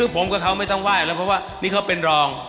เพราะว่านี่เขาเป็นรอง